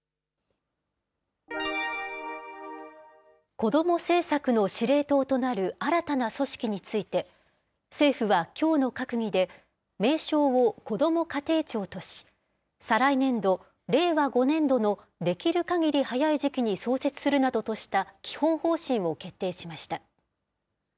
子ども政策の司令塔となる新たな組織について、政府はきょうの閣議で、名称をこども家庭庁とし、再来年度・令和５年度のできるかぎり早い時期に創設するなどとした基本方針を決定しました。